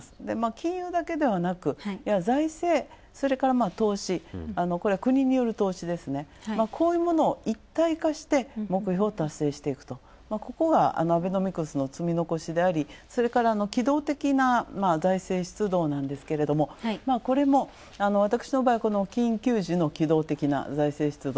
金融だけではなく、それから投資、これは国による投資ですね、こういうものを一体化して目標を達成していくとここはアベノミクスの積み残しであり、それから機動的な財政出動ですが、これも私の場合、この緊急時の機動的な財政出動。